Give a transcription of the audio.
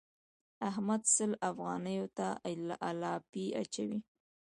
احمد سل افغانيو ته الاپی اچوي.